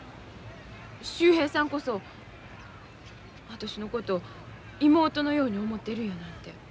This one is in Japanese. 秀平さんこそ私のことを妹のように思うてるやなんて。